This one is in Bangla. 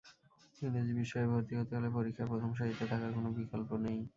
ইংরেজি বিষয়ে ভর্তি হতে হলে পরীক্ষায় প্রথম সারিতে থাকার কোনো বিকল্প নেই।